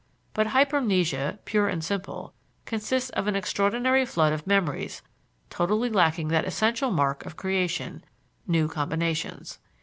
But hypermnesia, pure and simple, consists of an extraordinary flood of memories totally lacking that essential mark of creation new combinations.